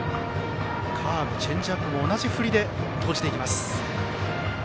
カーブ、チェンジアップも同じ振りで投じていきます。